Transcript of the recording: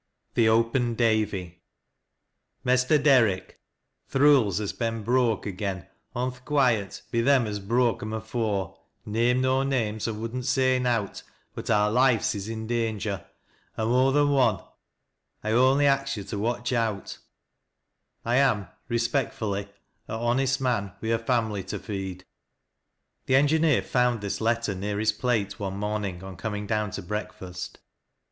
THE OPEN "rAVT." ICSBTEB DERIK Th' lools is ben bioak agen on th' quiet bi them as bzoak em afoie naim no naimes an wndnt say nowt but oui loifes is in danger Anl more than one, i Only ax yo' tu Wach out. i am Eespekfolly A honest man wi a f amly tn feds The engineer found this letter near his plate one mom ing on coming down to breakfast.